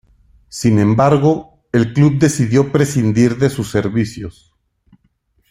Sin embargo, el club decidió prescindir de sus servicios.